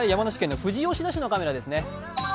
富士吉田市のカメラですね。